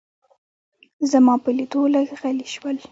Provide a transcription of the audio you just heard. زما په لیدو لږ غلي شول.